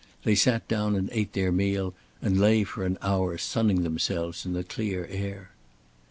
They sat down and ate their meal and lay for an hour sunning themselves in the clear air.